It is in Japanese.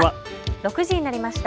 ６時になりました。